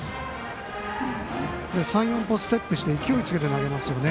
３４歩ステップして勢いをつけて投げますね。